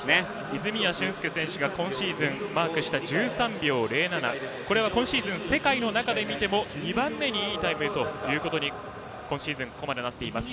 泉谷駿介選手が今シーズンマークした１３秒０７、これは今シーズン世界の中で見ても２番目にいいタイムとなっています。